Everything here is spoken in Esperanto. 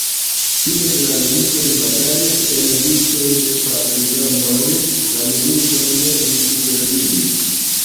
Fine de la milito li batalis en vicoj de partizanoj.. La militon li supervivis.